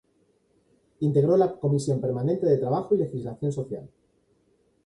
Integró la comisión permanente de Trabajo y Legislación Social.